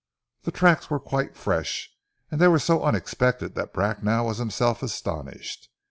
The tracks were quite fresh, and were so unexpected that Bracknell was himself astonished.